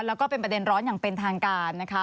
แล้วก็เป็นประเด็นร้อนอย่างเป็นทางการนะคะ